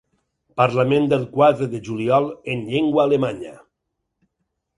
Parlament del quatre de juliol en llengua alemanya.